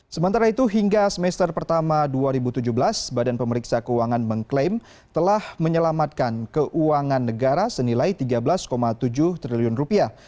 sementara itu hingga semester pertama dua ribu tujuh belas badan pemeriksa keuangan mengklaim telah menyelamatkan keuangan negara senilai tiga belas tujuh triliun rupiah